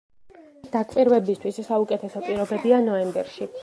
დაკვირვებისთვის საუკეთესო პირობებია ნოემბერში.